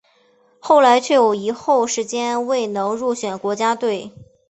后来却有一后时间未能入选国家队。